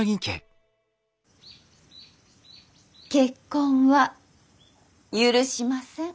結婚は許しません。